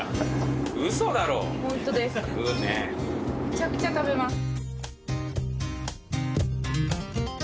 めちゃくちゃ食べます。